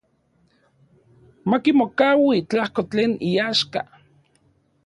Makimokaui tlajko tlen iaxka.